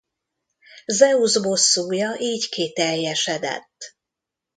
Zeusz bosszúja így kiteljesedett.